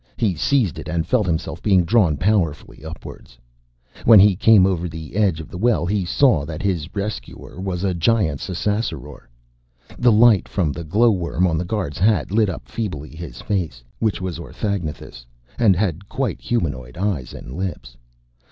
He seized it and felt himself being drawn powerfully upwards. When he came over the edge of the well, he saw that his rescuer was a giant Ssassaror. The light from the glowworm on the guard's hat lit up feebly his face, which was orthagnathous and had quite humanoid eyes and lips.